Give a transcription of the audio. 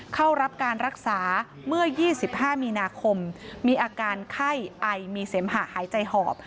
เข้ารับการรักษาเมื่อ๒๕มีนาคมมีอาการไข้ไอมีเสมหะหายใจหอบ